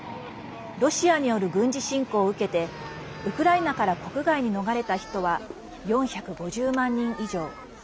ロシアによる軍事侵攻を受けてウクライナから国外に逃れた人は４５０万人以上。